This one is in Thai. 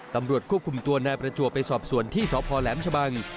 ตำรวจควบคุมตัวนายประจวบไปสอบส่วนที่สพแหลมชะบัง